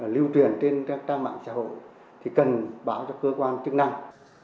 là lưu tưởng